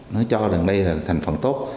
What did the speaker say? nó cho rằng đây là thành phần tốt